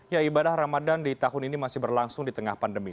ibadah ramadan di tahun ini masih berlangsung di tengah pandemi